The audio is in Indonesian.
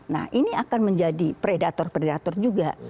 nah ini akan menjadi predator predator juga